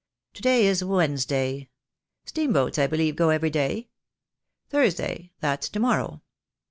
To day is Wednesday. Steamboats, I believe, go every day. Thursday, that's to morrow.